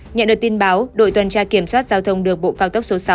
nhận được tin báo đội tuần tra kiểm soát giao thông đường bộ cao tốc số sáu